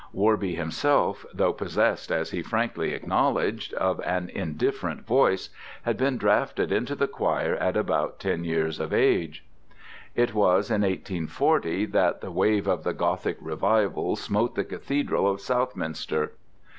Worby himself, though possessed, as he frankly acknowledged, of an indifferent voice, had been drafted into the choir at about ten years of age. It was in 1840 that the wave of the Gothic revival smote the Cathedral of Southminster.